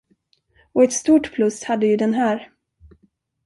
Och ett stort plus hade ju den här.